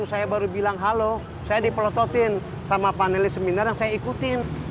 saya di prototin sama panelis seminar yang saya ikutin